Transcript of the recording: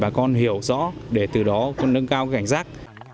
và những loại tội phạm khác để bà con hiểu rõ để từ đó cũng nâng cao cảnh giác